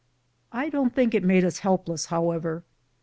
I don't think it made us helpless, however.